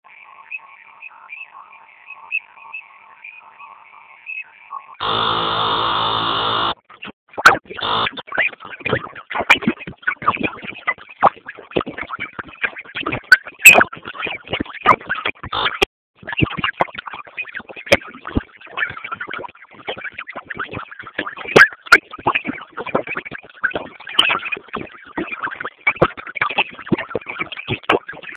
Dereva amefariki.